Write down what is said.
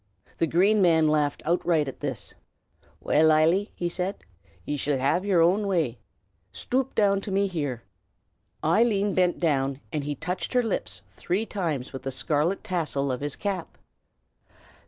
The Green Man laughed outright at this. "Well, Eily," he said, "ye shall have yer own way. Stoop down to me here!" Eileen bent down, and he touched her lips three times with the scarlet tassel of his cap.